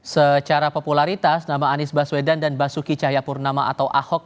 secara popularitas nama anies baswedan dan basuki cahayapurnama atau ahok